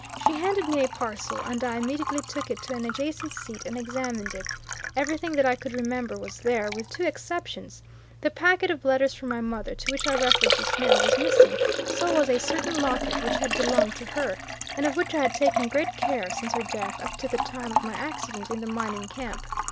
She handed me a parcel, and I immediately took it to an adjacent seat and examined it. Everything that I could remember was there, with two exceptions. The packet of letters from my mother, to which I referred just now, was missing; so was a certain locket, which had belonged to her, and of which I had taken great care since her death, up to the time of my accident in the mining camp.